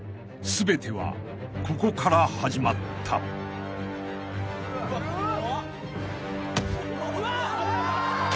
［全てはここから始まった］うわ！